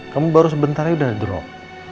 kamu baru sebentar aja udah drop